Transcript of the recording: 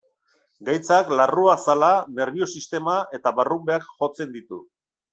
Gaitzak larruazala, nerbio-sistema eta barrunbeak jotzen ditu.